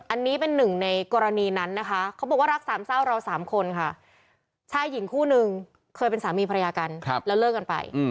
อันนี้เป็นหนึ่งในกรณีนั้นนะคะเขาบอกว่ารักสามเศร้าเราสามคนค่ะชายหญิงคู่นึงเคยเป็นสามีภรรยากันแล้วเลิกกันไป